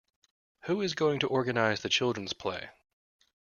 Who is going to organise the children's play?